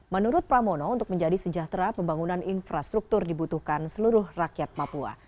menurut pramono untuk menjadi sejahtera pembangunan infrastruktur dibutuhkan seluruh rakyat papua